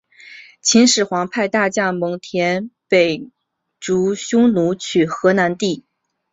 秦始皇派大将蒙恬北逐匈奴取河南地。